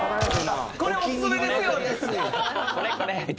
これオススメですよって？